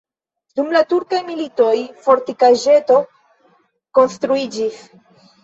Dum la turkaj militoj fortikaĵeto konstruiĝis.